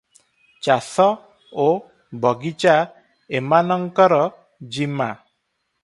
ଚାଷ ଓ ବଗିଚା ଏମାନଙ୍କର ଜିମା ।